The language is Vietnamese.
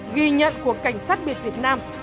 ghi nhận của cảnh sát biển việt nam